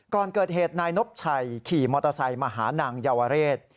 ก่อนเกิดเหตุนายนบชัยขี่มอเตอร์ไซค์มาหานางเยาวเรศ